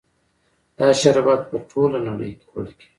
دا شربت په ټوله نړۍ کې خوړل کیږي.